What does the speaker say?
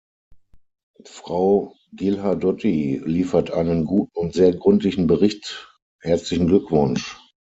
Frau Ghilardotti liefert einen guten und sehr gründlichen Bericht herzlichen Glückwunsch!